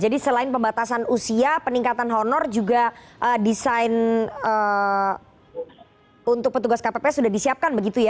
jadi selain pembatasan usia peningkatan honor juga desain untuk petugas kpps sudah disiapkan begitu ya